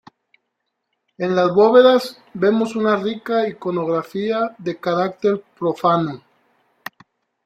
En las bóvedas vemos una rica iconografía de carácter profano.